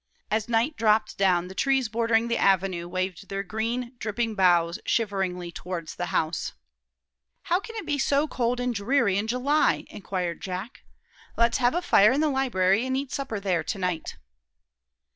As night dropped down, the trees bordering the avenue waved their green, dripping boughs shiveringly towards the house. "How can it be so cold and dreary in July?" inquired Jack. "Let's have a fire in the library and eat supper there to night."